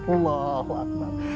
ya allah wakman